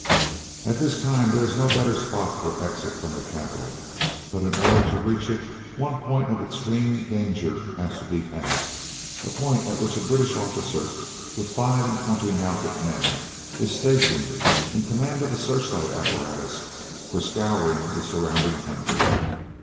At this time there is no better spot for exit from the capital, but in order to reach it one point of extreme danger has to be passed the point at which a British officer, with five and twenty mounted men, is stationed, in command of a searchlight apparatus for scouring the surrounding country.